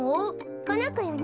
このこよね？